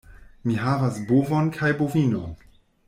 Mi havas bovon kaj bovinon.